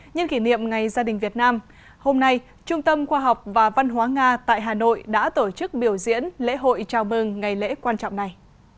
nhân kỷ niệm ngày gia đình việt nam hôm nay trung tâm khoa học và văn hóa nga tại hà nội đã tổ chức biểu diễn lễ hội chào mừng ngày lễ quan trọng này